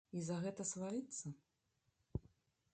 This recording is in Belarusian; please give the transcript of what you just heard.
І за гэта сварыцца?